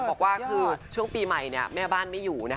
บอกว่าคือช่วงปีใหม่แม่บ้านไม่อยู่